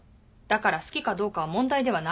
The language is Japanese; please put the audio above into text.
だから好きかどうかは問題ではないのよ。